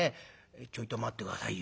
「ちょいと待って下さいよ。